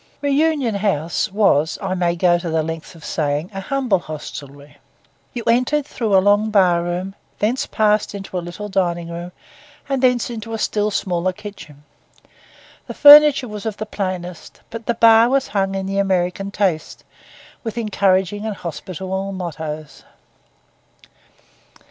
Reunion House was, I may go the length of saying, a humble hostelry. You entered through a long bar room, thence passed into a little dining room, and thence into a still smaller kitchen. The furniture was of the plainest; but the bar was hung in the American taste, with encouraging and hospitable mottoes.